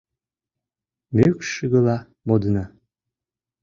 Мӱкшигыла модына.